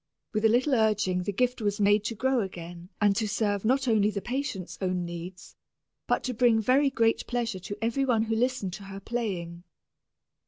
With a little urging the gift was made to grow again and to serve not only the patient's own needs, but to bring very great pleasure to every one who listened to her playing.